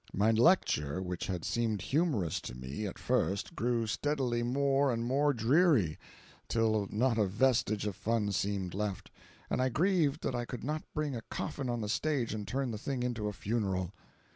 My lecture, which had seemed "humorous" to me, at first, grew steadily more and more dreary, till not a vestige of fun seemed left, and I grieved that I could not bring a coffin on the stage and turn the thing into a funeral.